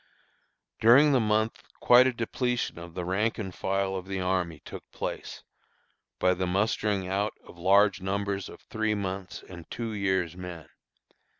During the month quite a depletion of the rank and file of the army took place, by the mustering out of large numbers of three months' and two years' men.